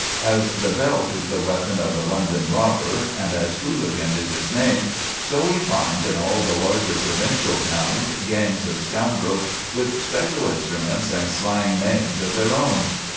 As the belt is the weapon of the London robber, and as Hooligan is his name, so we find in all the larger provincial towns gangs of scoundrels with special instruments and slang names of their own.